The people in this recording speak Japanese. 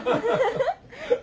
ハハハハ！